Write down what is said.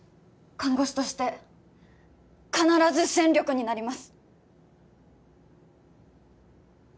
看護師として必ず戦力になります